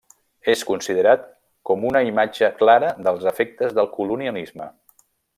És considerat com una imatge clara dels efectes del colonialisme.